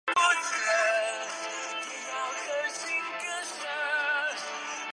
云林县私立巨人高级中学简称巨人高中是一所位于云林县北港镇的私立完全中学。